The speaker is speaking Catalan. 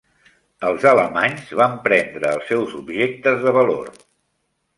Els alemanys van prendre els seus objectes de valor.